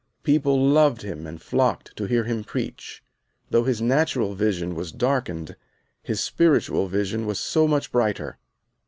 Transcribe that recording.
People loved him, and flocked to hear him preach. Though his natural vision was darkened, his spiritual vision was so much brighter.